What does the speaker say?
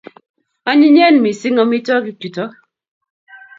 Anyinyen mising' amitwogik chuto